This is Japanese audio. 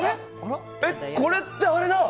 これってあれだ！